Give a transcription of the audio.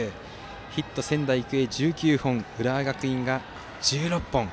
ヒット、仙台育英が１９本浦和学院が１６本。